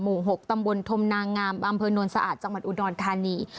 หมู่๖ตำบลธมนางงามอำเภอนวลสะอาดจังหวัดอุดรธานี